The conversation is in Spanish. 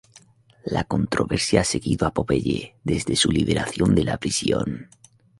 La controversia ha seguido a "Popeye" desde su liberación de la prisión.